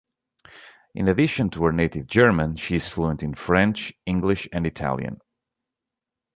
In addition to her native German, she is fluent in French, English, and Italian.